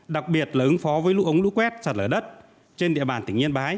đặc biệt là ứng phó với lũ ống lũ quét sạt lở đất trên địa bàn tỉnh yên bái